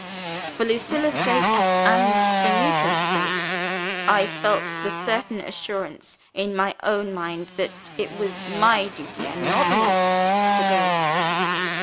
For Lucilla's sake, and for Nugent's sake, I felt the certain assurance in my own mind that it was my duty, and not his, to go.